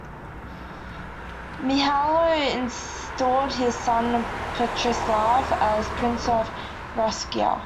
Mihailo installed his son Petrislav as Prince of Rascia.